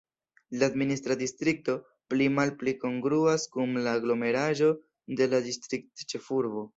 La administra distrikto pli-malpli kongruas kun la aglomeraĵo de la distriktĉefurbo.